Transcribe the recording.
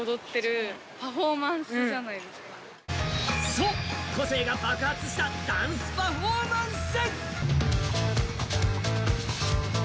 そう、個性が爆発したダンスパフォーマンス。